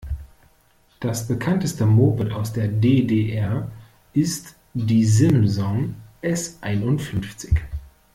Das Bekannteste Moped aus der D-D-R ist die Simson S einundfünfzig.